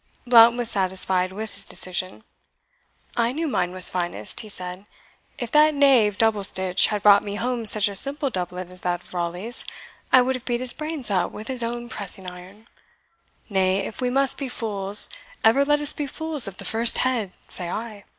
Blount was satisfied with his decision. "I knew mine was finest," he said; "if that knave Doublestitch had brought me home such a simple doublet as that of Raleigh's, I would have beat his brains out with his own pressing iron. Nay, if we must be fools, ever let us be fools of the first head, say I."